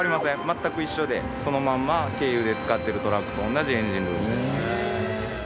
全く一緒でそのまんま軽油で使ってるトラックと同じエンジンルームです。